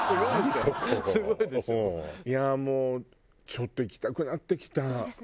いやもうちょっと行きたくなってきた。